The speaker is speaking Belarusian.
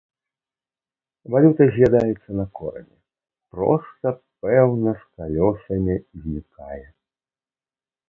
Валюта з'ядаецца на корані, проста, пэўна, з калёсамі знікае.